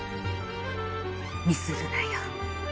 ミスるなよ。